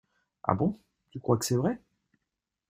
Ah bon? Tu crois que c'est vrai ?